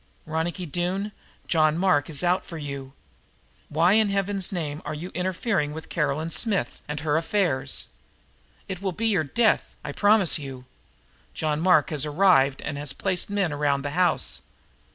Ronicky Doone, John Mark is out for you. Why, in Heaven's name, are you interfering with Caroline Smith and her affairs? It will be your death, I promise you. John Mark has arrived and has placed men around the house.